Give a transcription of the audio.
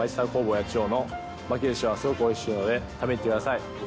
八千代の巻きずしはすごくおいしいので食べに来てください。